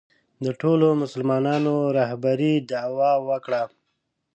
د ټولو مسلمانانو رهبرۍ دعوا وکړه